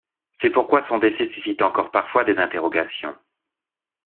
C'est pourquoi son décès suscite encore parfois des interrogations.